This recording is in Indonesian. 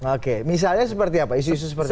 oke misalnya seperti apa isu isu seperti ini